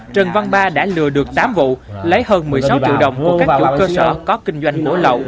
trần văn ba đã lừa được tám vụ lấy hơn một mươi sáu triệu đồng của các chủ cơ sở có kinh doanh mổ lậu